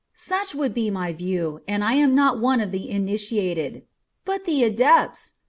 Such would be my view, and I am not one of the initiated. But the adepts!